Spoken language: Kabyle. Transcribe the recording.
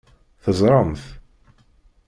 Teẓṛam-t?